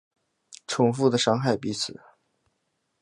重复的伤害彼此